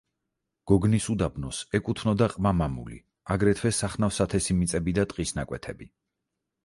გოგნის უდაბნოს ეკუთვნოდა ყმა-მამული, აგრეთვე სახნავ-სათესი მიწები და ტყის ნაკვეთები.